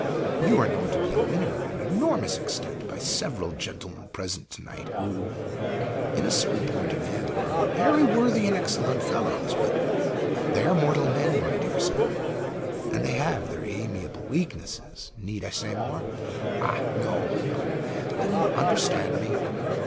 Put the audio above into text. You are known to be a winner to an enormous extent by several gentlemen present to night, who, in a certain point of view, are very worthy and excellent fellows; but they are mortal men, my dear sir, and they have their amiable weaknesses. Need I say more? Ah, no, no! you understand me!